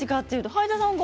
はいださんは。